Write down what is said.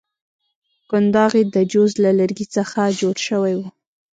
کنداغ یې د جوز له لرګي څخه جوړ شوی وو.